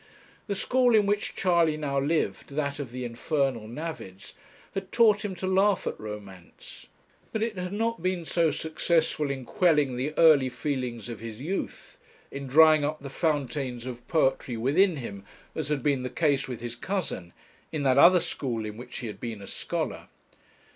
The school in which Charley now lived, that of the infernal navvies, had taught him to laugh at romance; but it had not been so successful in quelling the early feelings of his youth, in drying up the fountains of poetry within him, as had been the case with his cousin, in that other school in which he had been a scholar.